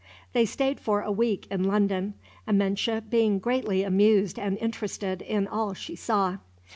They stayed for a week in London, Amenche being greatly amused and interested in all she saw.